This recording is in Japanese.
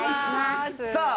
さあ